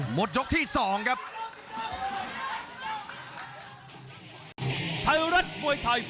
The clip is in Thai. หมดยกที่๒ครับ